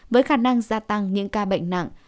với khả năng gia tăng những ca bệnh nặng